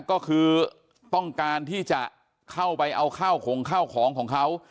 ก็คือต้องการที่จะเข้าไปเอาข้าวของข้าวของของเขา